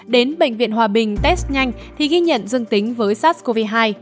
đến bệnh viện hòa bình test nhanh thì ghi nhận dương tính với sars cov hai